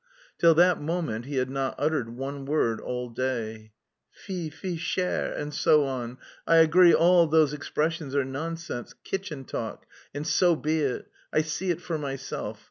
Till that moment he had not uttered one word all day. "Fils, fils, cher," and so on, "I agree all those expressions are nonsense, kitchen talk, and so be it. I see it for myself.